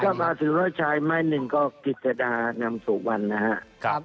ถ้ามา๔คูณ๑๐๐เมตรชายไม้๑ก็กิจดานำสู่วันนะฮะ